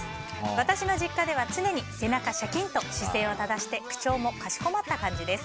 私の実家では常に背中をしゃきんと姿勢は正しくして口調もかしこまった感じです。